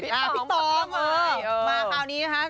พี่ตองมาคราวนี้นะคะ